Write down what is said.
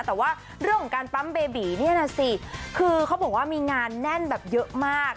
แต่ว่าเบบีโอที่พี่บอกว่ามีงานแน่นเยอะมาก